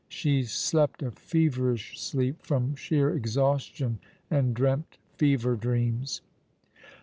She slept a feverish sleep, from sheer exhaustion, and dreamt fever dreams.